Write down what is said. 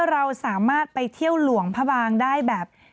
เราสามารถไปเที่ยวหลวงพระบางได้แบบ